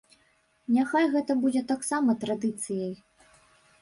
Няхай гэта будзе таксама традыцыяй.